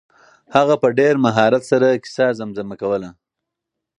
هغه په ډېر مهارت سره کیسه زمزمه کوله.